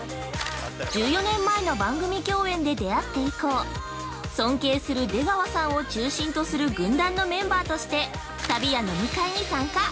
１４年前の番組共演で出会って以降、尊敬する出川さんを中心とする軍団のメンバーとして、旅や飲み会に参加。